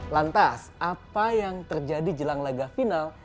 lantas apa yang terjadi jelang laga final